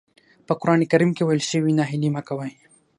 په قرآن کريم کې ويل شوي ناهيلي مه کوئ.